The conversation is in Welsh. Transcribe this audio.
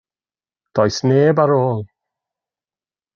Does neb ar ôl.